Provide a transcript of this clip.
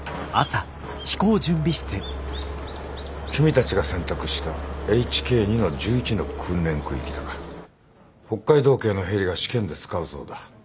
君たちが選択したＨＫ２−１１の訓練空域だが北海道警のヘリが試験で使うそうだ。